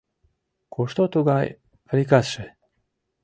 Кушто тугай приказше?